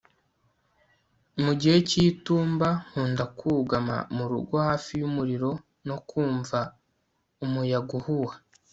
Mu gihe cyitumba nkunda kuguma mu rugo hafi yumuriro no kumva umuyaga uhuha